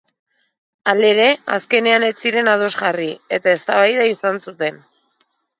Halere, azkenean ez ziren ados jarri, eta eztabaida izan zuten.